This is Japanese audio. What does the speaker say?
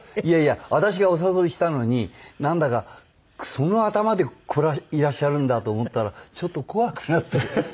いやいや私がお誘いしたのになんだかその頭でいらっしゃるんだと思ったらちょっと怖くなって。